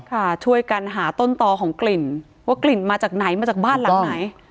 ค่ะช่วยกันหาต้นต่อของกลิ่นว่ากลิ่นมาจากไหนมาจากบ้านหลังไหน